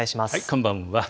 こんばんは。